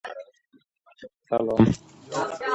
• Inson — fikr qiladigan hayvon.